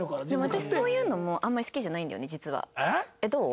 私そういうのもあんまり好きじゃないんだよね実は。